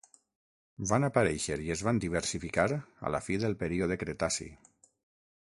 Van aparèixer i es van diversificar a la fi del període Cretaci.